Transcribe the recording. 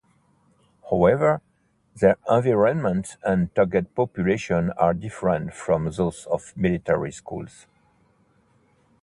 However, their environment and target population are different from those of military schools.